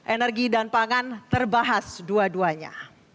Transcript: energi dan pangan terbahas dua duanya